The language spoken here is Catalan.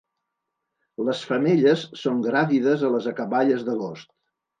Les femelles són gràvides a les acaballes d'agost.